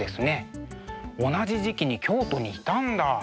同じ時期に京都にいたんだ。